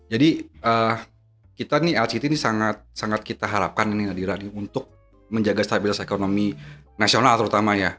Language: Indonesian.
jadi kita nih lct ini sangat kita harapkan ini nadira nih untuk menjaga stabilitas ekonomi nasional terutama ya